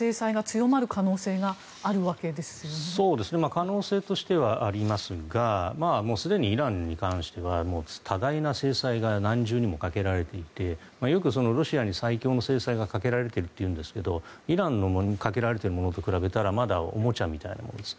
可能性としてはありますがもうすでにイランに関しては多大な制裁が何重にもかけられていてよくロシアに最強の制裁がかけられているというんですがイランにかけられているものと比べたらまだおもちゃのようなものです。